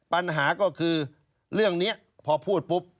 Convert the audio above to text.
ปัญหาก็คือเรื่องนี้พอพูดปุ๊บ